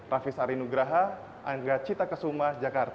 raffi sari nugraha angga cita kesumah jakarta